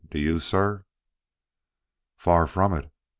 Do you, sir?" "Far from it.